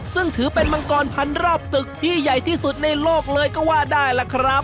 ซึ่งถือเป็นมังกรพันรอบตึกที่ใหญ่ที่สุดในโลกเลยก็ว่าได้ล่ะครับ